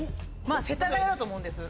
世田谷だと思うんです。